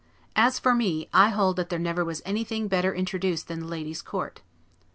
... As for me, I hold that there was never anything better introduced than the ladies' court.